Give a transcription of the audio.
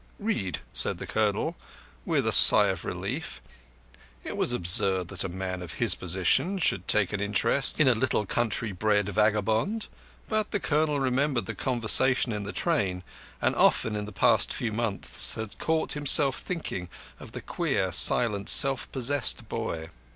"Read," said the Colonel, with a sigh of relief. It was absurd that a man of his position should take an interest in a little country bred vagabond; but the Colonel remembered the conversation in the train, and often in the past few months had caught himself thinking of the queer, silent, self possessed boy.